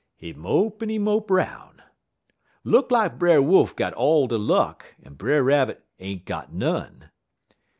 "He mope en he mope 'roun'. Look lak Brer Wolf got all de luck en Brer Rabbit ain't got none.